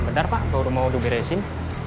benar pak baru mau diberesin